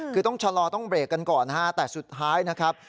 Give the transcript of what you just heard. คือต้องชะลอต้องเบรกกันก่อนนะฮะแต่สุดท้ายนะครับ